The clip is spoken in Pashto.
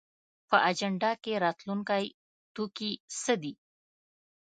په اجنډا کې راتلونکی توکي څه دي؟